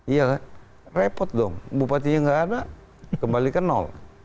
iya lah repot dong bupatinya nggak ada kembalikan nol